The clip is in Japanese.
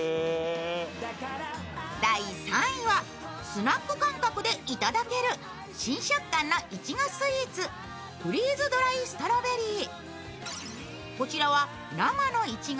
スナック感覚でいただける新食感のいちごスイーツフリーズドライストロベリー。